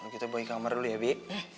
kita pergi ke kamar dulu ya bi